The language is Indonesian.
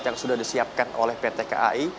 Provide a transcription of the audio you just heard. yang sudah disiapkan oleh pt kai